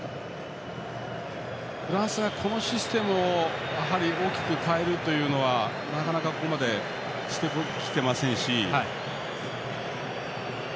フランスは、このシステムを大きく変えることはなかなかここまでできていませんし。